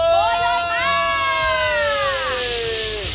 โกยเลยค่ะโอ้โฮ